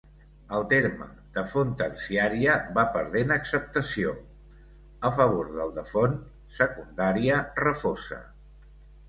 El terme de font terciària va perdent acceptació, a favor del de font secundària refosa.